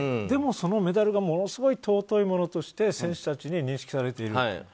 でもそのメダルがものすごい尊いものとして選手たちに認識されている。